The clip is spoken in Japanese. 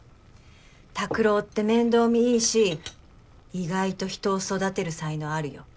拓郎って面倒見いいし意外と人を育てる才能あるよ。